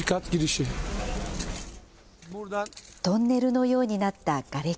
トンネルのようになったがれき。